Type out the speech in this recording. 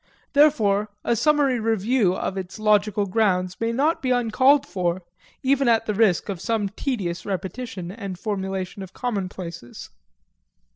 Therefore a summary review of its logical grounds may not be uncalled for, even at the risk of some tedious repetition and formulation of commonplaces.